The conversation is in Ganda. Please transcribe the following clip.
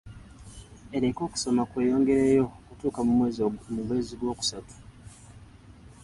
Ereke okusoma kweyongereyo okutuuka mu mwezi gwokusatu.